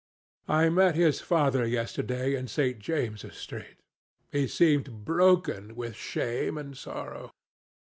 I met his father yesterday in St. James's Street. He seemed broken with shame and sorrow.